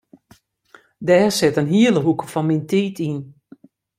Dêr sit in hiele hoeke fan myn tiid yn.